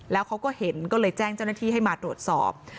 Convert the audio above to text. แล้วเขาก็เห็นก็เลยแจ้งเจ้าหน้าที่ให้มาตรวจสอบ